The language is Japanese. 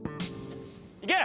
いけ！